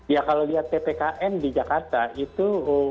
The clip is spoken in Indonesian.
ya kalau lihat ppkm di jakarta itu